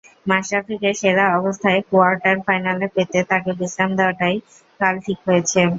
মাশরাফিকে সেরা অবস্থায় কোয়ার্টার ফাইনালে পেতে তাঁকে বিশ্রাম দেওয়াটাই কাল ঠিক হয়েছে।